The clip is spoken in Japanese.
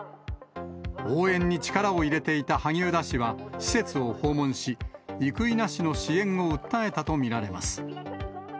応援に力を入れていた萩生田氏は施設を訪問し、生稲氏の支援を訴えたと見られます。